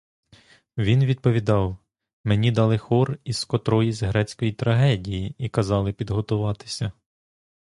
Він відповідав, мені дали хор із котроїсь грецької трагедії і казали підготуватися.